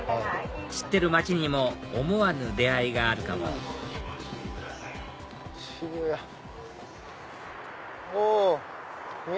知ってる街にも思わぬ出会いがあるかもお！